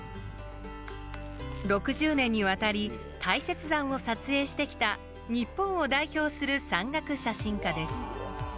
６０年にわたり大雪山を撮影してきた日本を代表する山岳写真家です。